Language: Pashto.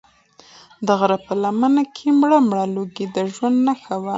د غره په لمنه کې مړ مړ لوګی د ژوند نښه وه.